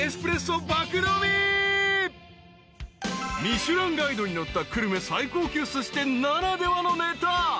［『ミシュランガイド』に載った久留米最高級すし店ならではのねた］